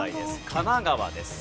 神奈川です。